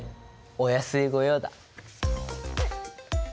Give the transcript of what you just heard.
お安い御用だ。